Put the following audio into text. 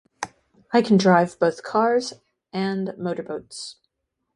I can drive both cars and motorboats.